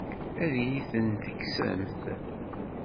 Ad iyi-ten-tekksemt?